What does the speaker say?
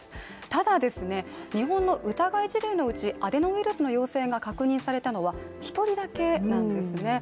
ただですね、日本の疑い事例のうち、アデノウイルスの陽性が確認されたのは１人だけなんですね。